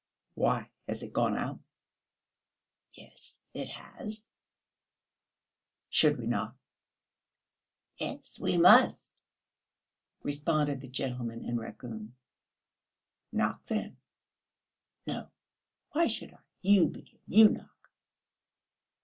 "Why, has it gone out?" "Yes, it has." "Should we knock?" "Yes, we must," responded the gentleman in raccoon. "Knock, then." "No, why should I? You begin, you knock!"